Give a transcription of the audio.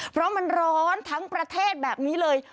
เพราะมันร้อนทั้งประเทศแบบนี้เลย